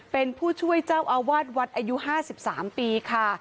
เป็นผู้ช่วยเจ้าอาวาสวัดอายุ๕๓ปีค่ะ